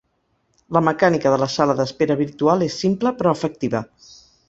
La mecànica de la sala d’espera virtual és simple però efectiva.